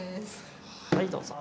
はいどうぞ。